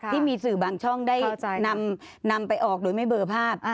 ที่มีสื่อบางช่องได้นำไปออกโดยไม่เบอร์ภาพ